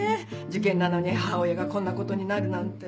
受験なのに母親がこんなことになるなんて。